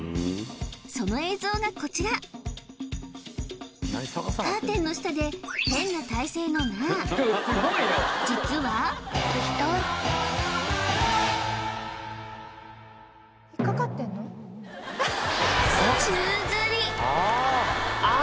その映像がこちらカーテンの下で変な体勢のなー実はこうなってるんだああ